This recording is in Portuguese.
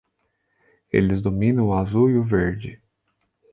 Eles dominam o azul e o verde.